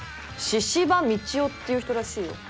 「神々道夫」っていう人らしいよ。